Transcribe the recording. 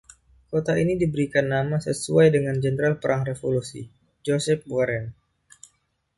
Kota ini diberi nama sesuai dengan Jenderal Perang Revolusi, Joseph Warren.